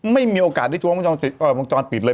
ไม่มีโอกาสที่จุดว่าวันจอนปิดเลย